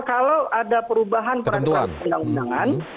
kalau ada perubahan perantuan undang undangan